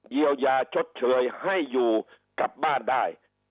เยียวยาชดเชยให้อยู่กลับบ้านได้